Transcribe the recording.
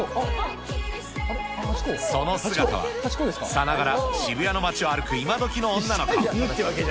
その姿は、さながら渋谷の街を歩く今どきの女の子。